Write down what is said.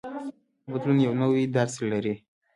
هر بدلون یو نوی درس لري.